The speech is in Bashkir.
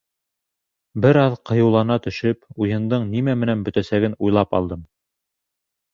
Бер аҙ ҡыйыулана төшөп, уйындың нимә менән бөтәсәген уйлап алдым.